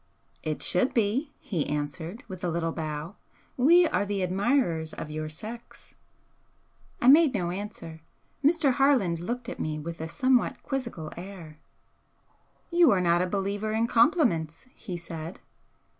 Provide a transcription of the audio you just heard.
"It should be," he answered, with a little bow "We are the admirers of your sex." I made no answer. Mr. Harland looked at me with a somewhat quizzical air. "You are not a believer in compliments," he said.